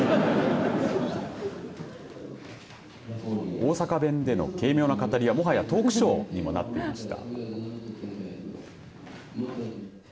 大阪弁での軽妙な語りはもはやトークショーのようにもなっていました。